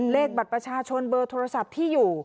เลขบัตรประชาชนเบอร์โทรศัพท์ที่อยู่